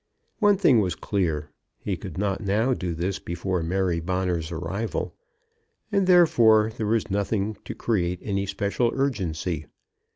One thing was clear; he could not now do this before Mary Bonner's arrival, and therefore there was nothing to create any special urgency.